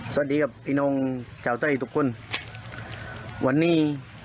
สวัสดีครับพี่น้องชาวใต้ทุกคนวันนี้